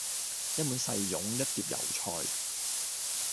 一碗細擁，一碟油菜